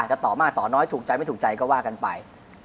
จะต่อมากต่อน้อยถูกใจไม่ถูกใจก็ว่ากันไป